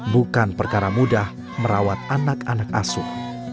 bukan perkara mudah merawat anak anak asuh